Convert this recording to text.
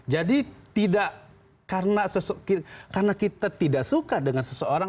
jadi tidak karena kita tidak suka dengan seseorang